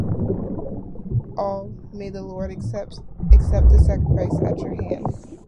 All: May the Lord accept the sacrifice at your hands